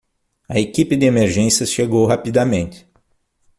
A equipe de emergência chegou rapidamente.